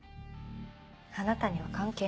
あなたには関係ない。